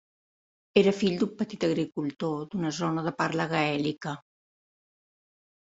Era fill d'un petit agricultor d'una zona de parla gaèlica.